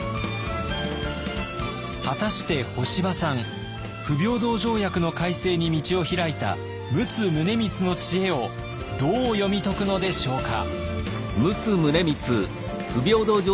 果たして干場さん不平等条約の改正に道を開いた陸奥宗光の知恵をどう読み解くのでしょうか。